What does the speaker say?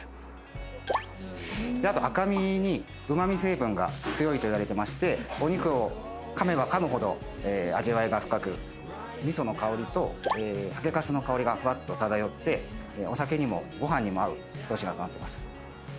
あと赤身にうま味成分が強いといわれてましてお肉をかめばかむほど味わいが深く味噌の香りと酒かすの香りがふわっと漂ってお酒にもご飯にも合う一品となってます。